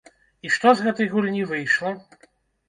І што з гэтай гульні выйшла?